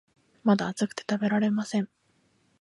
まだ熱くて食べられません